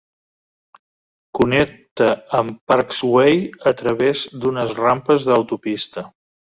Connecta amb Parkes Way a través d'unes rampes d'autopista.